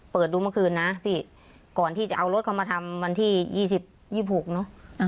เปิดดูเมื่อคืนนะพี่ก่อนที่จะเอารถเข้ามาทำวันที่๒๒๖เนอะ